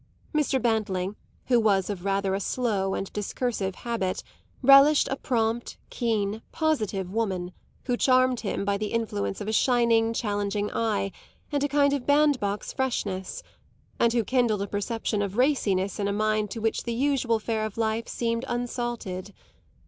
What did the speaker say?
Mr. Bantling, who was of rather a slow and a discursive habit, relished a prompt, keen, positive woman, who charmed him by the influence of a shining, challenging eye and a kind of bandbox freshness, and who kindled a perception of raciness in a mind to which the usual fare of life seemed unsalted.